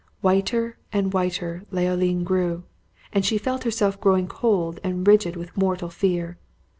Whiter and whiter Leoline grew, and she felt herself growing cold and rigid with mortal fear.